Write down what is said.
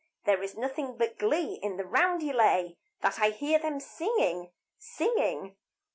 There is nothing but glee in the roundelay That I hear them singing, singing.